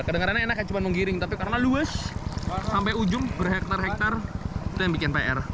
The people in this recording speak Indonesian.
kedengarannya enak tapi karena luas sampai ujung berhektar hektar itu yang bikin pr